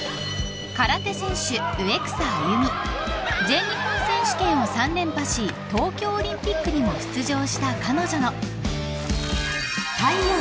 ［全日本選手権を３連覇し東京オリンピックにも出場した彼女の］